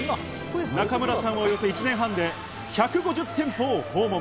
中村さんはおよそ１年半で１５０店舗を訪問。